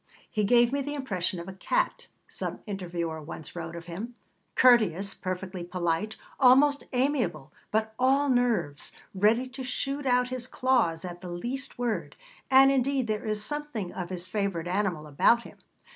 'He gave me the impression of a cat,' some interviewer once wrote of him; 'courteous, perfectly polite, almost amiable, but all nerves, ready to shoot out his claws at the least word.' And, indeed, there is something of his favourite animal about him.